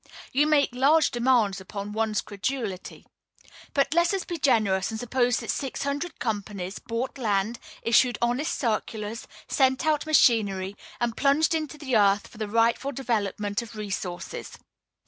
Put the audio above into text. You make large demands upon one's credulity; but let us be generous, and suppose that six hundred companies bought land, issued honest circulars, sent out machinery, and plunged into the earth for the rightful development of resources.